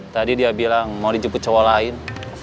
tadi dia bilang mau dijemput cewek lain